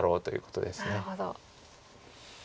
なるほど。